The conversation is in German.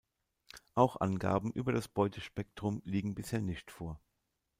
Auch Angaben über das Beutespektrum liegen bisher nicht vor.